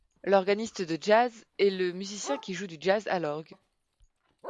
L'organiste de jazz est le musicien qui joue du jazz à l'orgue.